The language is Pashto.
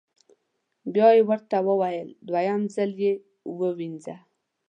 بیا یې ورته وویل: دویم ځل یې ووینځه.